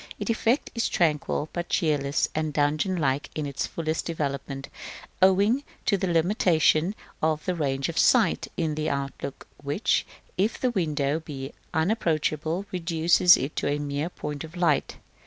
Its effect is tranquil, but cheerless and dungeon like in its fullest development, owing to the limitation of the range of sight in the outlook, which, if the window be unapproachable, reduces it to a mere point of light.